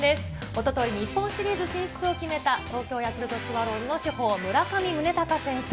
おととい、日本シリーズ進出を決めた東京ヤクルトスワローズの主砲、村上宗隆選手。